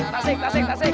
tasik tasik tasik